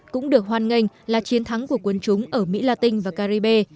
cũng được hoan nghênh là chiến thắng của quân chúng ở mỹ latin và caribe